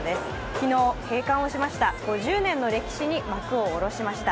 昨日閉館をしました、５０年の歴史に幕を下ろしました。